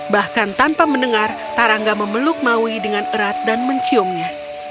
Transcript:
bahkan tanpa mendengar taranga memeluk maui dengan erat dan menciumnya